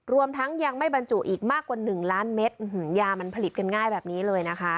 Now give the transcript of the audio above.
รวมทั้งยังไม่บรรจุอีกมากกว่า๑ล้านเม็ดยามันผลิตกันง่ายแบบนี้เลยนะคะ